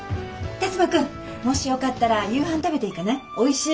辰馬くんもしよかったら夕飯食べていかない？